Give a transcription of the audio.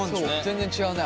全然違うね。